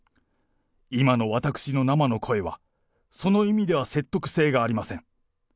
今の私の生の声は、その意味では説得性がありません。